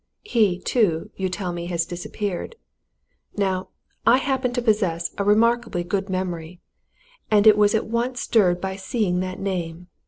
He, too, you tell me, has disappeared. Now, I happen to possess a remarkably good memory, and it was at once stirred by seeing that name.